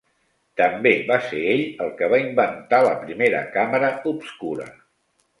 També va ser ell el que va inventar la primera càmera obscura.